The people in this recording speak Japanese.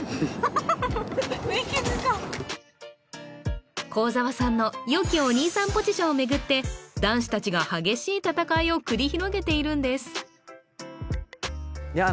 ハハハハ幸澤さんのよきお兄さんポジションをめぐって男子達が激しい戦いを繰り広げているんですいや